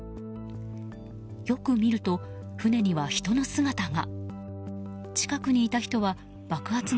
よく見ると、船には人の姿が。